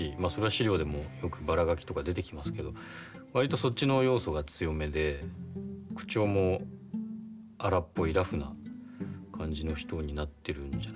あそれは史料でもよくバラガキとか出てきますけど割とそっちの要素が強めで口調も荒っぽいラフな感じの人になってるんじゃないですかね。